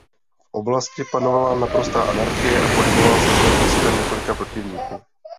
V oblasti panovala naprostá anarchie a pohybovala se zde vojska několika protivníků.